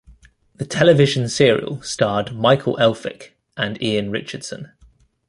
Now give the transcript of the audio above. The television serial starred Michael Elphick and Ian Richardson.